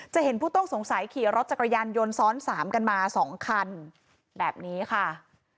เห็นผู้ต้องสงสัยขี่รถจักรยานยนต์ซ้อนสามกันมาสองคันแบบนี้ค่ะ